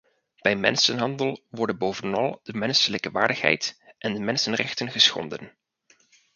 Bij mensenhandel worden bovenal de menselijke waardigheid en de mensenrechten geschonden.